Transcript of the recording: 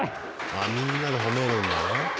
あみんなでほめるんだな。